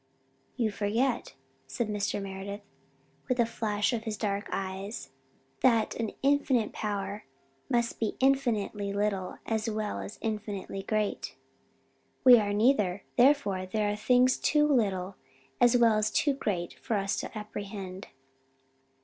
"You forget," said Mr. Meredith, with a flash of his dark eyes, "that an infinite Power must be infinitely little as well as infinitely great. We are neither, therefore there are things too little as well as too great for us to apprehend.